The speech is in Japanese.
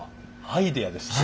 アイデアですって。